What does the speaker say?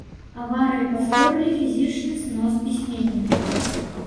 Аварыі паскорылі фізічны знос пісьменніка.